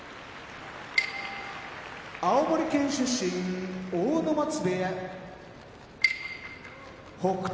青森県出身阿武松部屋北勝